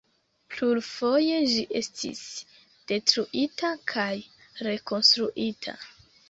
Plurfoje ĝi estis detruita kaj rekonstruita.